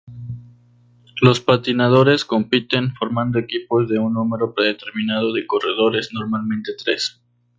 Los patinadores compiten formando equipos de un número predeterminado de corredores, normalmente tres.